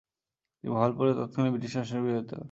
তিনি ভাওয়ালপুরে তৎকালীন ব্রিটিশ শাসনের বিরোধিতা করেন।